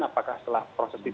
apakah setelah proses di